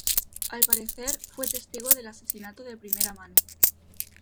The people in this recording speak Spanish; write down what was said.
Al parecer, fue testigo del asesinato de primera mano.